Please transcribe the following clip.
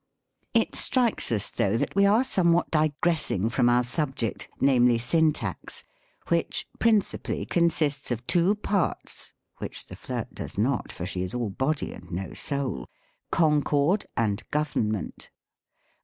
It strikes us, though, that we are somewhat digress ing from our subject, namely Syntax, which, ~6 THE COMIC ENGLISH GRAMMAR. Principally consists of two parts (which the flirJ does not, for she is all body and no soul) Concord ano Government.